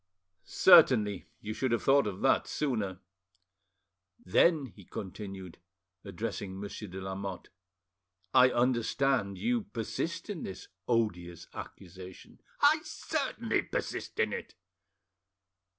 "Certainly; you should have thought of that sooner." "Then," he continued, addressing Monsieur de Lamotte, "I understand you persist in this odious accusation?" "I certainly persist in it."